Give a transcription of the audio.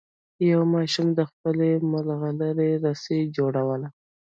یوه ماشوم د خپلې ملغلرې رسۍ جوړوله.